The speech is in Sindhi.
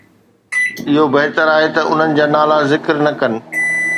اهو بهتر آهي ته انهن جا نالا ذڪر نه ڪن.